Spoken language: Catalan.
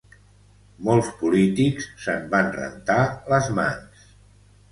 Molts polítics se'n van rentar les mans.